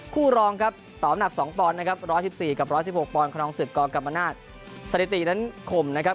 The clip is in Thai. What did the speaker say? รองครับตอบหนัก๒ปอนด์นะครับ๑๑๔กับ๑๑๖ปอนดครองศึกกกรรมนาศสถิตินั้นข่มนะครับ